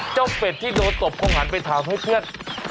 เป็ดที่โดนตบเขาหันไปถามให้เพื่อน